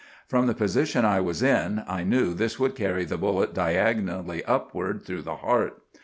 From the position I was in, I knew this would carry the bullet diagonally upward through the heart.